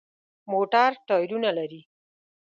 موټر ټایرونه لري.